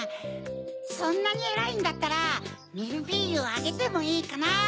そんなにえらいんだったらミルフィーユあげてもいいかな。